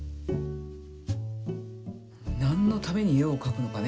なんのためにえをかくのかね。